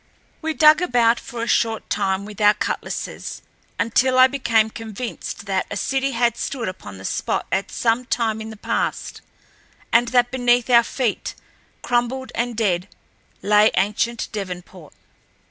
We dug about for a short time with our cutlasses until I became convinced that a city had stood upon the spot at some time in the past, and that beneath our feet, crumbled and dead, lay ancient Devonport.